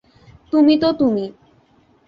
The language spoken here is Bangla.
তুমি তো তুমি।